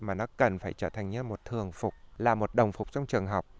mà nó cần trở thành một thường phục là một đồng phục trong trường học